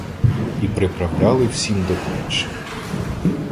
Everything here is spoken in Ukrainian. І приправляли всім до плеч.